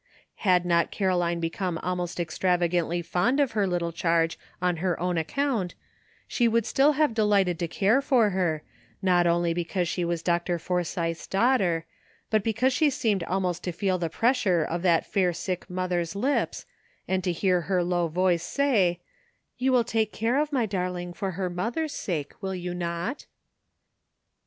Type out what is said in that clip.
Had not Caro line become almost extravagantly fond of her little charge on her own account, she would still have delighted to care for her, not only because she was Dr. Forsythe's daughter, but because she seemed almost to feel the pressure of that fair sick mother's lips, and to hear her low voice say, '' You will take care of my dar ling for her mother's sake, will vou not?"